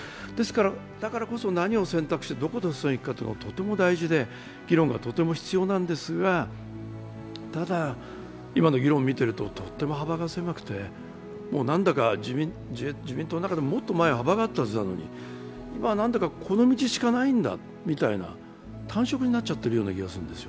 だからこそ何を選択してどこで防ぐかというのがとても大事で議論がとても必要なんですが、ただ、今の議論を見てるととっても幅が狭くて自民党の中でももっと前は幅が合ったはずなのに、今はなんでか、この道しかないんだみたいな単色になっちゃってる気がするんです。